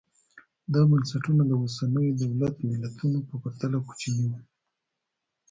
دا بنسټونه د اوسنیو دولت ملتونو په پرتله کوچني وو